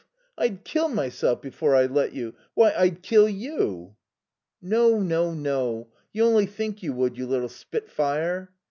I'd kill myself before I let you.... Why, I'd kill you." "No. No. No. You only think you would, you little spitfire."